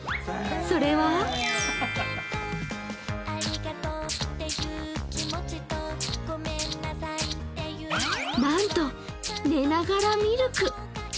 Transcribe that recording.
それはなんと寝ながらミルク。